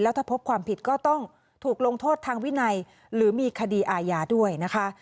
ถ้าพบความผิดก็ต้องถูกลงโทษทางวินัยหรือมีคดีอาญาด้วยนะคะ